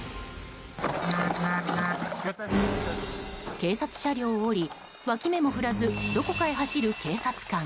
警察車両を降りわき目も振らずどこかへ走る警察官。